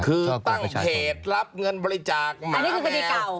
คือตั้งเขตรับเงินบริจาคมาอันนี้คือคดีเก่า